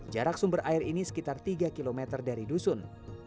jarak sumber air ini sekitar tiga km dari dusun